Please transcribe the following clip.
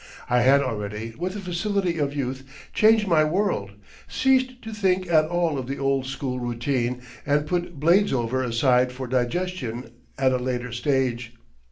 I had already, with the facility of youth, changed my world, ceased to think at all of the old school routine and put Bladesover aside for digestion at a latter stage.